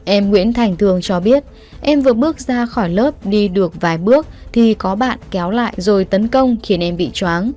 em nguyễn thành thường cho biết em vừa bước ra khỏi lớp đi được vài bước thì có bạn kéo lại rồi tấn công khiến em bị chóng